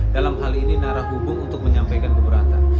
dalam hal ini narah hubung untuk menyampaikan keberatan